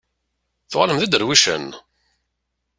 Tuɣalem d iderwicen?